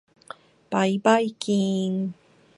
ばいばいきーーーん。